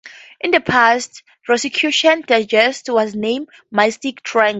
In the past "Rosicrucian Digest" was named "Mystic Triangle".